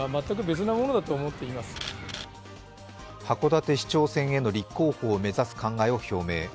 函館市長選への立候補を目指す考えを表明。